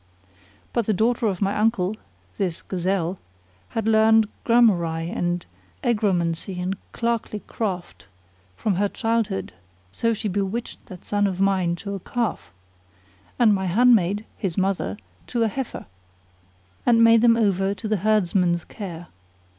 But the daughter of my uncle (this gazelle) had learned gramarye and egromancy and clerkly craft[FN#46] from her childhood; so she bewitched that son of mine to a calf, and my handmaid (his mother) to a heifer, and made them over to the herdsman's care.